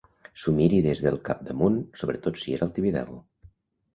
S'ho miri des del capdamunt, sobretot si és al Tibidabo.